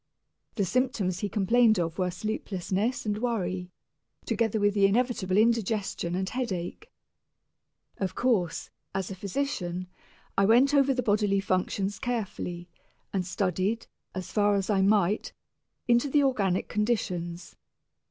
The symptoms he complained of were sleeplessness and worry, together with the inevitable indigestion and headache. Of course, as a physician, I went over the bodily functions carefully, and studied, as far as I might, into the organic conditions.